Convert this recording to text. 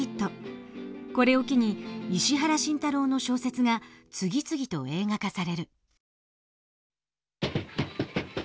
これを機に石原慎太郎の小説が次々と映画化される。